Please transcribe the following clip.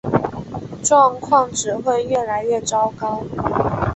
状况只会越来越糟糕